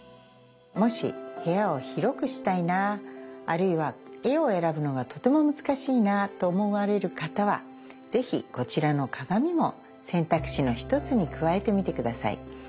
もし部屋を広くしたいなあるいは絵を選ぶのがとても難しいなと思われる方は是非こちらの鏡も選択肢の一つに加えてみて下さい。